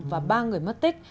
và ba người mất tích